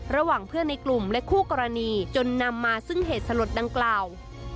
ระหว่างเพื่อนในกลุ่มและคู่กรณีจนนำมาซึ่งเหตุสลดดังกล่าว